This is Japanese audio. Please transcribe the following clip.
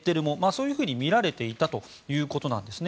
そういうふうに見られていたということです。